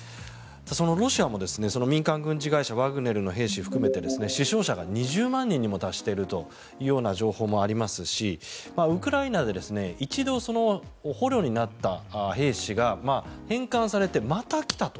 そのロシアも民間軍事会社ワグネルの兵士含めて死傷者が２０万人にも達しているという情報もありますしウクライナで一度、捕虜になった兵士が返還されてまた来たと。